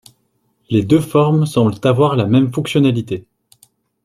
Les deux formes semblent avoir la même fonctionnalité.